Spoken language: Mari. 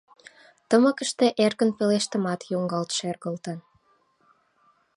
Тымыкыште эркын пелештымат йоҥгалт шергылтын.